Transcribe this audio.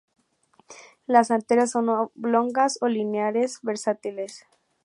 Las anteras son oblongas o lineares, versátiles.